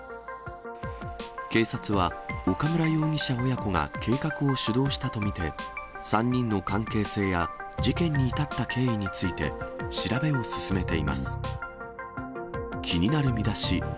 警察は、岡村容疑者親子が計画を主導したと見て、３人の関係性や事件に至った経緯について調べを進めています。